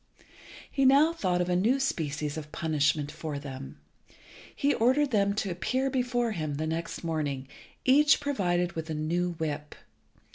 He now thought of a new species of punishment for them. He ordered them to appear before him next morning, each provided with a new whip.